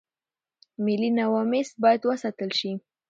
ملي نواميس بايد وساتل شي.